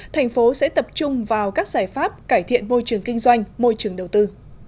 thành phố sẽ tập trung vào các giải pháp cải thiện môi trường kinh doanh môi trường đầu tư